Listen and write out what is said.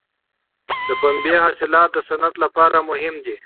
د پنبې حاصلات د صنعت لپاره مهم دي.